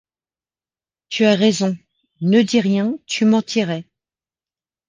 Tu as raison… ne dis rien… tu mentirais.